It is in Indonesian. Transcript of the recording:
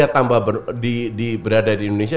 tambah lama dia berada di indonesia